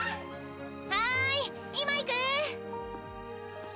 はーい今行く！